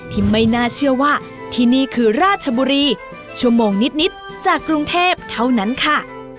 ที่ไม่น่าเชื่อว่าที่นี่คือราชบุรีชั่วโมงนิดจากกรุงเทพเท่านั้นค่ะ